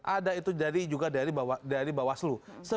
ada itu dari juga dari bawah seluruh